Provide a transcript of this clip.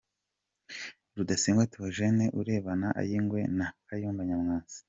Rudasingwa Theogene urebana ayingwe na Kayumba Nyamwasa